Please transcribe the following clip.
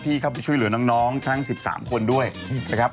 เข้าไปช่วยเหลือน้องทั้ง๑๓คนด้วยนะครับ